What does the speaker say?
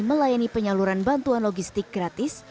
melayani penyaluran bantuan logistik gratis